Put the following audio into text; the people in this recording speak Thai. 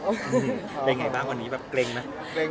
เป็นไงบ้างวันนี้แบบเกร็งไหม